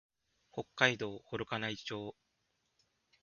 北海道幌加内町